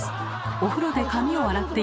お風呂で髪を洗っている時